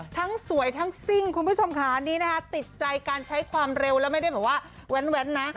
ทั้งสวยทั้งซิ่งคุณผู้ชมค่ะนี่นะคะติดใจการใช้ความเร็วแล้วไม่ได้แบบว่าแว้นนะ